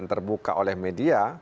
terbuka oleh media